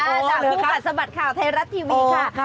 จากผู้ผ่านสบัติข่าวไทยรัฐทีวีค่ะ